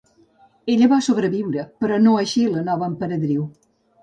Ella va sobreviure, però no així la nova emperadriu.